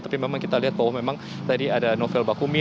tapi memang kita lihat bahwa memang tadi ada novel bakumi